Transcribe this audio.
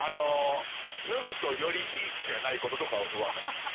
脱ぐとよりビーチじゃないこととか分かります。